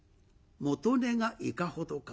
元値がいかほどか。